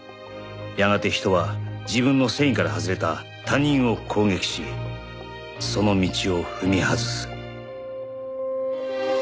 やがて人は自分の正義から外れた他人を攻撃しその道を踏み外す。